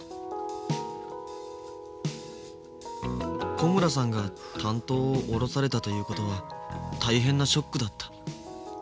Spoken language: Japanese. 小村さんが担当を降ろされたということは大変なショックだった。